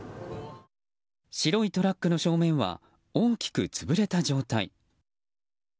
白いトラックの正面は大きく潰れた状態。